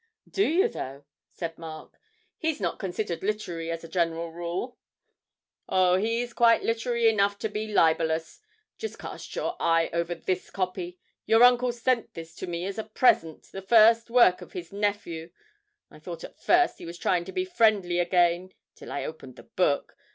'Do you though?' said Mark. 'He's not considered literary as a general rule.' 'Oh, he's quite literary enough to be libellous. Just cast your eye over this copy. Your uncle sent this to me as a present, the first work of his nephew. I thought at first he was trying to be friendly again, till I opened the book!